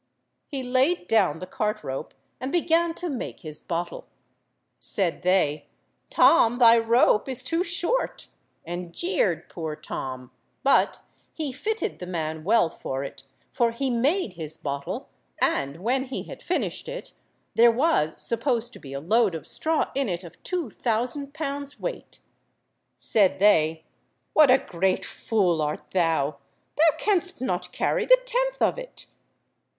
He laid down the cart–rope and began to make his bottle. Said they— "Tom, thy rope is too short," and jeered poor Tom, but he fitted the man well for it, for he made his bottle, and when he had finished it, there was supposed to be a load of straw in it of two thousand pounds weight. Said they— "What a great fool art thou. Thou canst not carry the tenth of it."